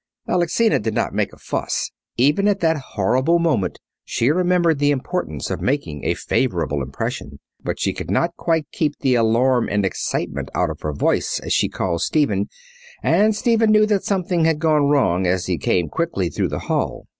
Alexina did not make a fuss. Even at that horrible moment she remembered the importance of making a favourable impression. But she could not quite keep the alarm and excitement out of her voice as she called Stephen, and Stephen knew that something had gone wrong as he came quickly through the hall.